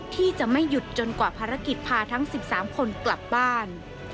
ที่จะไม่หยุดจนกว่าภารกิจพาทั้ง๑๓คนกลับบ้าน